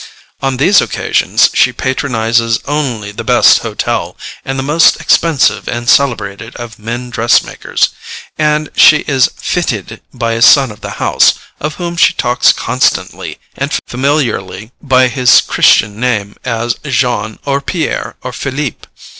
On these occasions she patronises only the best hotel, and the most expensive and celebrated of men dressmakers, and she is "fitted" by a son of the house, of whom she talks constantly and familiarly by his Christian name as JEAN, or PIERRE, or PHILIPPE.